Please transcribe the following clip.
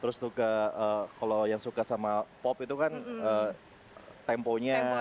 terus suka kalau yang suka sama pop itu kan temponya